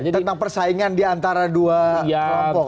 tentang persaingan di antara dua kelompok